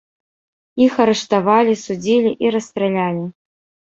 Іх арыштавалі, судзілі і расстралялі.